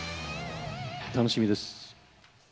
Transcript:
楽しみです。